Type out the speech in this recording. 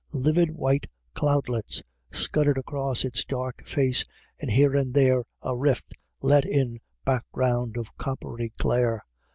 Livid white cloudlets scudded across its dark face, and here and there a rift let in a background of coppery glare.